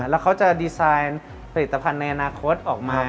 แล้วเขาจะดีไซน์ผลิตภัณฑ์ในอนาคตออกมา